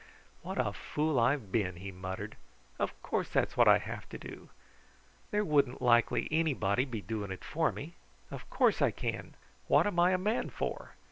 "What a fool I have been!" he muttered. "Of course that's what I have to do! There wouldn't likely anybody be doing it for me. Of course I can! What am I a man for?